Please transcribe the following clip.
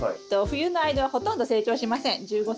冬の間はほとんど成長しません。